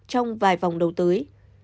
trong vài vòng đầu tới